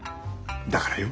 だからよ。